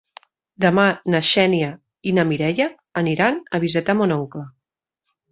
Demà na Xènia i na Mireia aniran a visitar mon oncle.